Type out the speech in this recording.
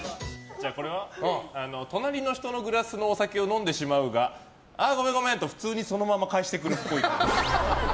隣の人のグラスのお酒を飲んでしまうがあー、ごめんごめんと普通にそのまま返してくるっぽい。